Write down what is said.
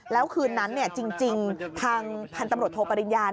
แล้วคืนนั้นจริงทางพันธุ์ตำรวจโทปริญญา